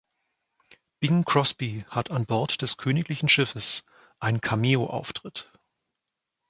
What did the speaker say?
Bing Crosby hat an Bord des königlichen Schiffes einen Cameo-Auftritt.